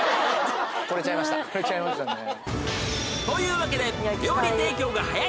［というわけで］